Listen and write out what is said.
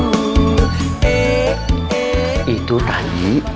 eh eh itu tadi